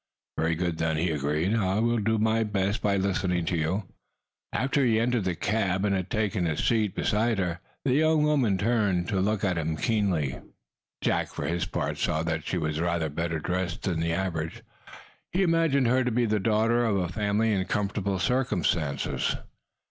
"Very good, then," he agreed. "I will do my best by listening to you." After he had entered the cab, and had taken the seat, beside her, the young woman turned to look at him keenly. Jack, for his part, saw that she was rather better dressed than the average. He imagined her to be the daughter of a family in comfortable circumstances.